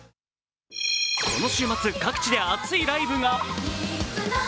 この週末、各地で熱いライブが。